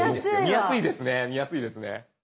見やすいですね見やすいですね。